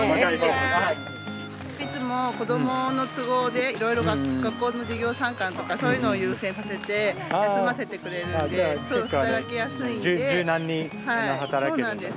いつも子どもの都合でいろいろ学校の授業参観とかそういうのを優先させて休ませてくれるんで働きやすいんで。